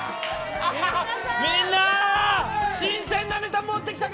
みんな、新鮮なネタ持ってきたか！